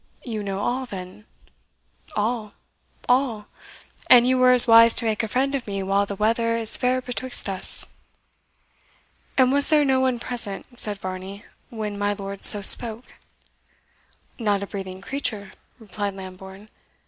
You know all, then?" "All all; and you were as wise to make a friend of me while the weather is fair betwixt us." "And was there no one present," said Varney, "when my lord so spoke?" "Not a breathing creature," replied Lambourne.